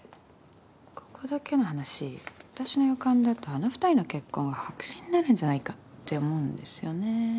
ここだけの話私の予感だとあの２人の結婚白紙になるんじゃないかって思うんですよね。